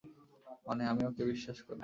মানে, আমি ওকে বিশ্বাস করি।